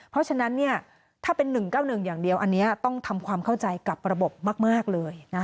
เพราะฉะนั้นถ้าเป็น๑๙๑อย่างเดียวอันนี้ต้องทำความเข้าใจกับระบบมากเลย